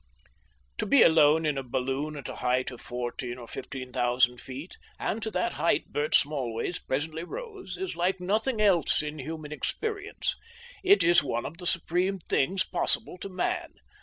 To be alone in a balloon at a height of fourteen or fifteen thousand feet and to that height Bert Smallways presently rose is like nothing else in human experience. It is one of the supreme things possible to man.